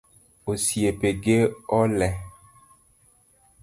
Osiepe ge ole